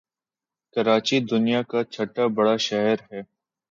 کراچی دنیا کاچهٹا بڑا شہر ہے